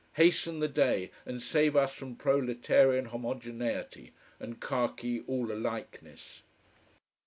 Hasten the day, and save us from proletarian homogeneity and khaki all alikeness.